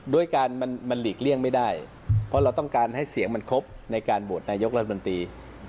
ด้วยการมันหลีกเลี่ยงไม่ได้เพราะเราต้องการให้เสียงมันครบในการโหวตนายกรัฐมนตรี